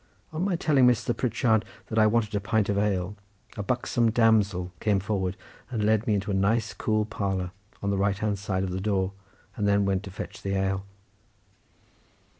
On my telling Mr. Pritchard that I wanted a pint of ale a buxom damsel came forward and led me into a nice cool parlour on the right hand side of the door and then went to fetch the ale.